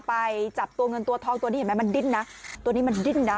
ไปจับตัวเงินตัวทองตัวนี้เห็นไหมมันดิ้นนะตัวนี้มันดิ้นนะ